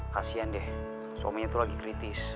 kasian deh suaminya itu lagi kritis